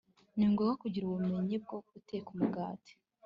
Ni ngombwa kugira ubumenyi bwo guteka umugati